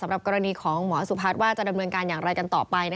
สำหรับกรณีของหมอสุพัฒน์ว่าจะดำเนินการอย่างไรกันต่อไป